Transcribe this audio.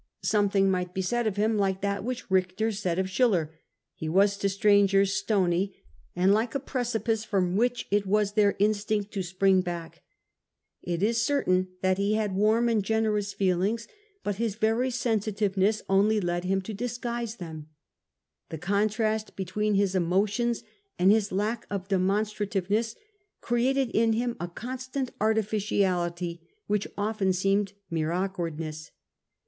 Something might be said of him like that which Richter said of Schiller : he was to strangers stony and like a precipice from which it was their instinct to spring back. It is certain that he had warm and generous feelings, but his very sensitive ness only led hi m to disguise them. The contrast between his emotions and his lack of demonstrative ness created in him a constant artificiality which often seemed mere awkwardness.